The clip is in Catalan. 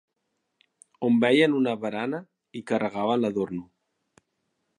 On veien una barana hi carregaven l'adorno